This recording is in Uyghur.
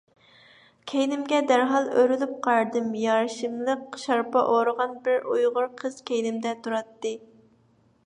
كەينىمگە دەرھال ئۆرۈلۈپ قارىدىم. يارىشىملىق شارپا ئورىغان بىر ئۇيغۇر قىز كەينىمدە تۇراتتى.